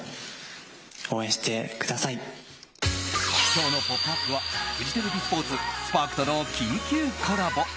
今日の「ポップＵＰ！」はフジテレビスポーツ「Ｓ‐ＰＡＲＫ」との緊急コラボ。